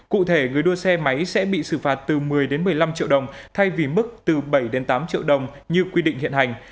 cụ thể người đua xe máy sẽ bị xử phạt từ một mươi một mươi năm triệu đồng thay vì mức từ bảy tám triệu đồng như quy định hiện hành